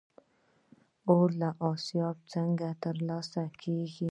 اوړه له آسیاب څخه ترلاسه کېږي